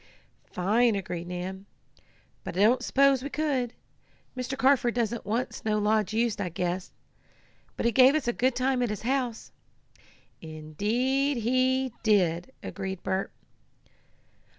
"Fine!" agreed Nan. "But I don't s'pose we could. Mr. Carford doesn't want Snow Lodge used, I guess. But he gave us a good time at his house." "Indeed he did," agreed Bert.